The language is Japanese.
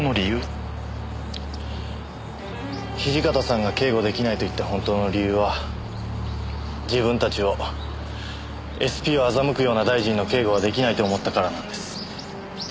土方さんが警護できないと言った本当の理由は自分たちをＳＰを欺くような大臣の警護はできないと思ったからなんです。